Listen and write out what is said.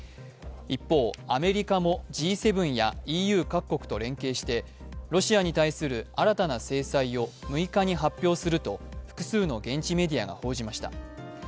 一方、アメリカもＧ７やＥＵ各国と連携してロシアに対する新たな制裁を６日に発表すると複数の現地メディアが報じました。